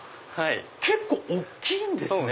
結構大きいんですね。